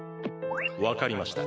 わかりました。